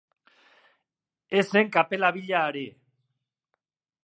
Ez zen kapela bila ari.